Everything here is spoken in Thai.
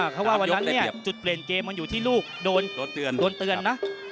เพราะว่าวันนั้นเนี่ยจุดเปลี่ยนเกมมันอยู่ที่ลูกโดนเตือนนะ